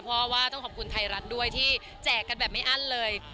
เพราะว่าต้องขอบคุณไทยรัฐด้วยที่แจกกันแบบไม่อั้นเลย